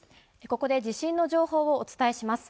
ここで、地震の情報をお伝えします。